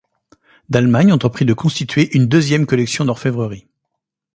Dallemagne entreprit de constituer une deuxième collection d'orfèvrerie.